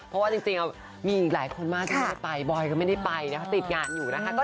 เพราะว่าจริงมีหลายคนมากที่ไม่ได้ไปบอยปกรณ์ก็ไม่ได้ไปแล้วเขาติดงานอยู่นะคะ